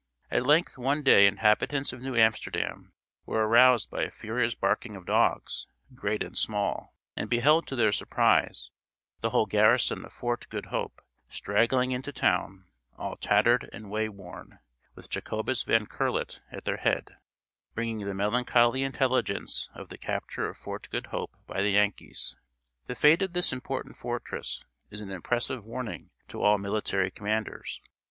At length one day inhabitants of New Amsterdam were aroused by a furious barking of dogs, great and small, and beheld to their surprise the whole garrison of Fort Good Hope straggling into town all tattered and way worn, with Jacobus Van Curlet at their head, bringing the melancholy intelligence of the capture of Fort Good Hope by the Yankees. The fate of this important fortress is an impressive warning to all military commanders.